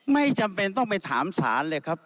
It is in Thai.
ไม่จำเป็นต้องไปถามศาลเลยครับ